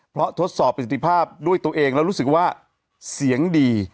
เพราะทดสอบประสิทธิภาพด้วยตัวเองแล้วรู้สึกว่าเสียงดี